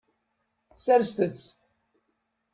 Serset-t.